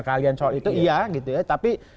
kalian soal itu iya gitu ya tapi